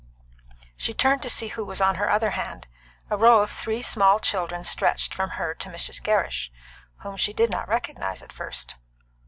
She turned to see who was on her other hand. A row of three small children stretched from her to Mrs. Gerrish, whom she did not recognise at first.